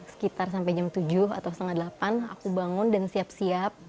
sekitar sampai jam tujuh atau setengah delapan aku bangun dan siap siap